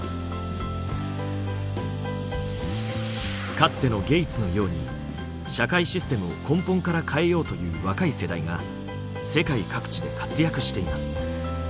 かつてのゲイツのように社会システムを根本から変えようという若い世代が世界各地で活躍しています。